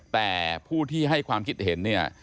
แต่ผู้ที่ให้ความคิดเห็นเนี่ย